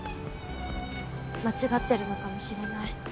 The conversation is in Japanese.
間違ってるのかもしれない。